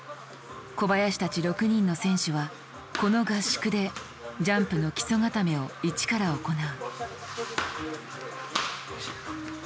小林たち６人の選手はこの合宿でジャンプの基礎固めを一から行う。